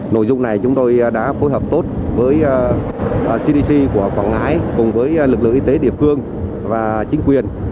nội dung này chúng tôi đã phối hợp tốt với cdc của quảng ngãi cùng với lực lượng y tế địa phương và chính quyền